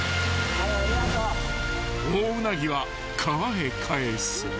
［オオウナギは川へ返す］